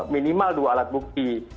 minimal dua alat bukti